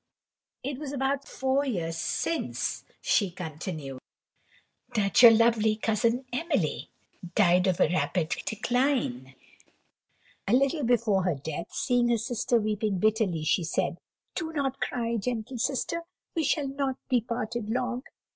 It was about four years since," she continued, "that your lovely cousin Emily died of a rapid decline. A little before her death, seeing her sister weeping bitterly, she said, 'Do not cry, gentle sister, we shall not be parted long.'